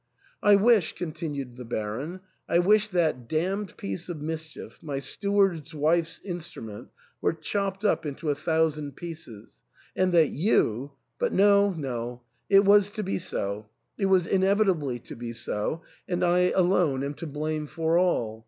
" I wish," continued the Baron, " I wish that damned piece of mischief, my steward's wife's instru ment, were chopped up into a thousand pieces, and that you — but no, no ; it was to be so, it was inevitably to be so, and I alone am to blame for all.